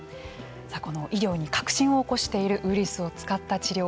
さあ、この医療に革新を起こしているウイルスを使った治療